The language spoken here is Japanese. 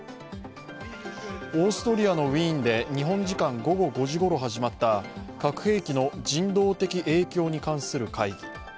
オーストリアのウィーンで日本時間午後５時ごろ始まった核兵器の人道的影響に関する会議。